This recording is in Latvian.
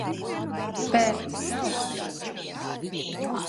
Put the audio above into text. Pērc zeltu taču.